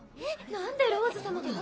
・何でローズ様と？